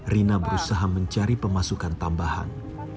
rina berusaha mencari pemasukan tambahan